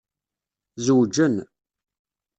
Zewǧen.